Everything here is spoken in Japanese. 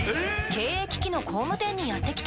［経営危機の工務店にやって来たのは］